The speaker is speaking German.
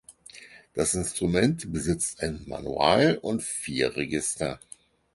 Das Instrument besitzt ein Manual und vier Register.